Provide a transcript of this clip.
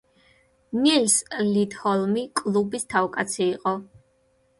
ნილს ლიდჰოლმი კლუბის თავკაცი იყო.